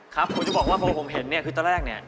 ครับผมจะบอกว่าพอผมเห็นเนี่ยคือตอนแรกเนี่ย